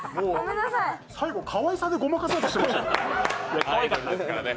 最後、かわいさでごまかそうとしてましたよね。